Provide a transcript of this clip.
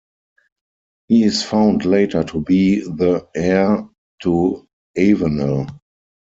He is found later to be the heir to Avenel.